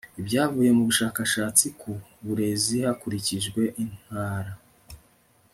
ibyavuye mu bushakashatsi ku burezi hakurikijwe intara